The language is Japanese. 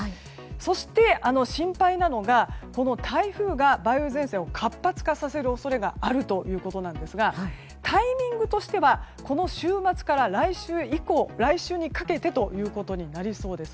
そして、心配なのが台風が梅雨前線を活発化させる恐れがあるということですがタイミングとしてはこの週末から来週にかけてとなりそうです。